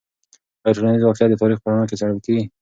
آیا ټولنیز واقعیت د تاریخ په رڼا کې څیړل کیږي؟